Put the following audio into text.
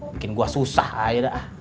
mungkin gue susah aja dah